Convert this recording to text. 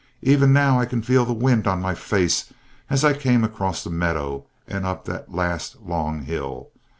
Even now I can feel the wind on my face as I came across the meadow and up that last, long hill.